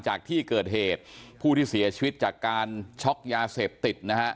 จากที่เกิดเหตุผู้ที่เสียชีวิตจากการช็อกยาเสพติดนะฮะ